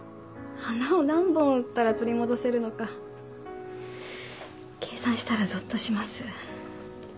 花を何本売ったら取り戻せるのか計算したらぞっとします。